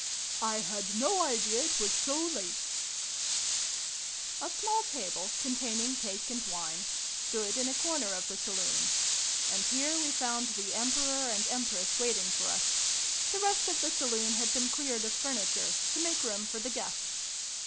" I had no idea it was so late !" A small table, containing cake and wine, stood in a corner of the Saloon ; and here we found the Emperor and Empress waiting for us. The rest of the Saloon had been cleared of furniture, to make room for the guests.